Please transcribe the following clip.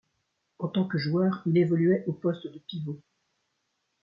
En tant que joueur, il évoluait au poste de pivot.